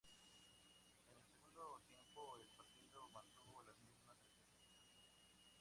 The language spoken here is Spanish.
En el segundo tiempo, el partido mantuvo las mismas características.